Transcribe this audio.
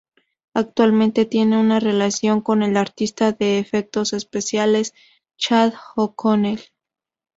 Actualmente tiene una relación con el artista de efectos especiales Chad O'Connell.